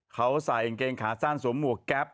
เขาใส่กางเกงขาสั้นสวมหมวกแก๊ป